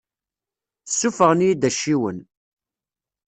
Ssuffɣen-iyi-d acciwen.